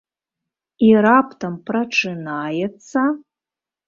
I раптам прачынаецца...